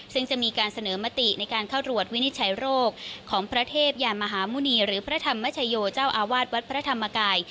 ซึ่งจะมีการเสนอมติในการเข้ารวดวินิจฉัยโรคของพระเทพยานมหาหมุณีหรือพระธรรมชโยเจ้าอาวาสวัดพระธรรมกาย